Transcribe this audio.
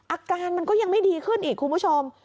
อาการมันก็ยังไม่ดีขึ้นอีกคุณผู้ชม